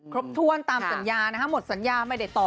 ครบถ้วนตามสัญญานะฮะหมดสัญญาไม่ได้ต่อ